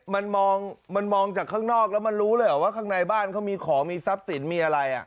มันมองมันมองจากข้างนอกแล้วมันรู้เลยเหรอว่าข้างในบ้านเขามีของมีทรัพย์สินมีอะไร